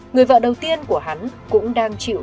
người vợ đầu tiên của hắn cũng đang chịu